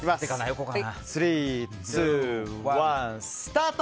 ３、２、１、スタート！